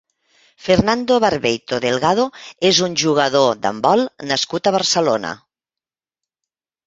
Fernando Barbeito Delgado és un jugador d'handbol nascut a Barcelona.